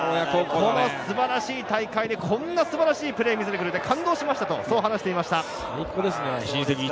素晴らしい大会で、素晴らしいプレーを見せてくれて感動しましたと話をしていました。